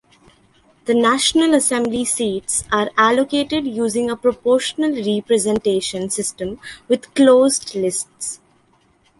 The National Assembly seats are allocated using a proportional representation system with closed lists.